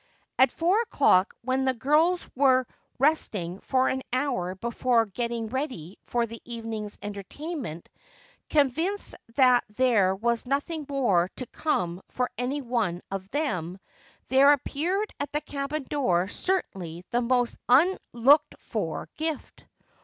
At four o'clock, when the girls were resting for an hour before getting ready for the evening's entertainment, convinced that there was nothing more to come for any one of them, there appeared at the cabin door certainly the most unlooked for gift.